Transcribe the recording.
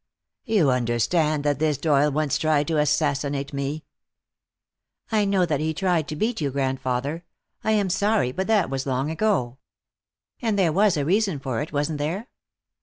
"You understand that this Doyle once tried to assassinate me?" "I know that he tried to beat you, grandfather. I am sorry, but that was long ago. And there was a reason for it, wasn't there?"